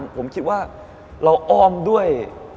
ผมคิดว่าเราอ้อมด้วย